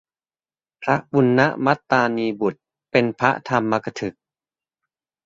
พระปุณณมันตานีบุตร เป็นพระธรรมกถึก